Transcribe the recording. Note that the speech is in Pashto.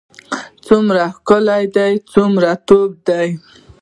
څومره ښکلی دی څومره تود دی.